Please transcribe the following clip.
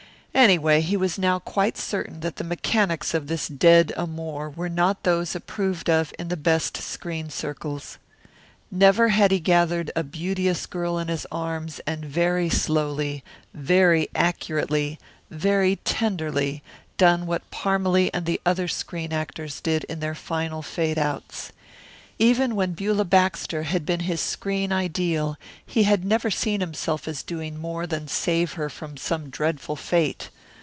Anyway, he was now quite certain that the mechanics of this dead amour were not those approved of in the best screen circles. Never had he gathered a beauteous girl in his arms and very slowly, very accurately, very tenderly, done what Parmalee and other screen actors did in their final fade outs. Even when Beulah Baxter had been his screen ideal he had never seen himself as doing more than save her from some dreadful fate.